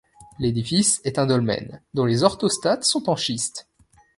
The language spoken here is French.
L'édifice est un dolmen, dont les orthostates sont en schiste.